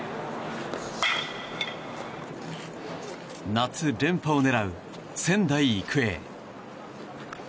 夏連覇を狙う仙台育英。